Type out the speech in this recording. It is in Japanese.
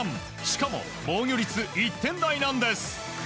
しかも、防御率１点台なんです。